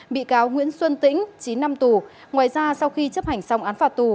bị cáo nguyễn xuân tĩnh chín năm tù ngoài ra sau khi chấp hành xong án phạt tù